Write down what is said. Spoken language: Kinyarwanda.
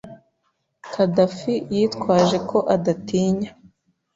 Khadafi yitwaje ko adatinya.